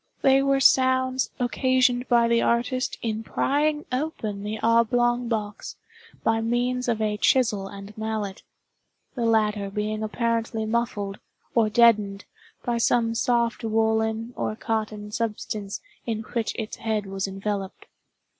They were sounds occasioned by the artist in prying open the oblong box, by means of a chisel and mallet—the latter being apparently muffled, or deadened, by some soft woollen or cotton substance in which its head was enveloped.